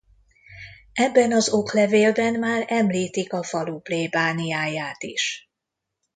Ebben az oklevélben már említik a falu plébániáját is.